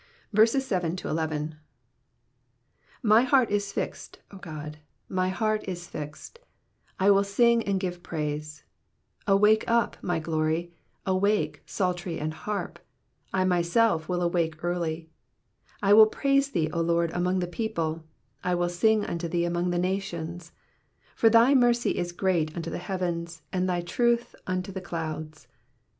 7 My heart is fixed, O God, my heart is fixed : I will sing and give praise. 8 Awake up, my glory ; awake, psaltery and harp : I myself will awake early. 9 I will praise thee, O Lord, among the people : I will sing unto thee among the nations. ID For thy mercy is great unto the heavens, and thy truth . unto the clouds.